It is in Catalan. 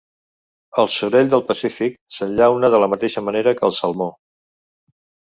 El sorell del Pacífic s'enllauna de la mateixa manera que el salmó.